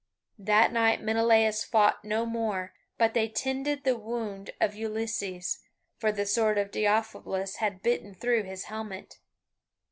That night Menelaus fought no more, but they tended the wound of Ulysses, for the sword of Deiphobus had bitten through his helmet.